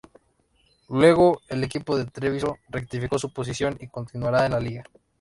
Luego, el equipo de Treviso rectificó su posición y continuará en la liga.